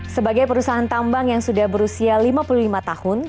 sebagai perusahaan tambang yang sudah berusia lima puluh lima tahun